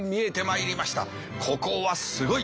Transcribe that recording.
ここはすごい。